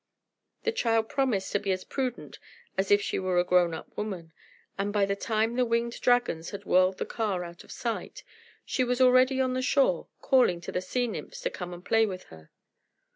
The child promised to be as prudent as if she were a grown up woman, and, by the time the winged dragons had whirled the car out of sight, she was already on the shore, calling to the sea nymphs to come and play with her.